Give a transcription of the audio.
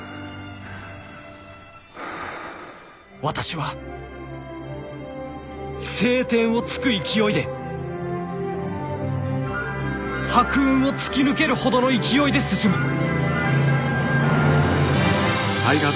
「私は青天を衝く勢いで白雲を突き抜けるほどの勢いで進む！」。